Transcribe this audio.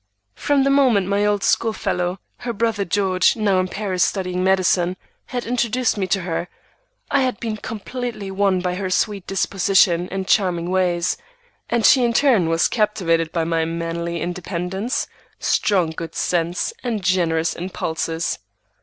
From the moment my old school fellow, her brother George, now in Paris studying medicine, had introduced me to her, I had been completely won by her sweet disposition and charming ways, and she in turn was captivated by my manly independence, strong good sense, and generous impulses.